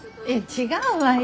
違うわよ。